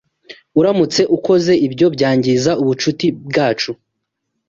Uramutse ukoze ibyo, byangiza ubucuti bwacu.